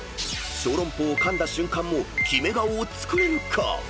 小籠包を噛んだ瞬間もキメ顔を作れるか］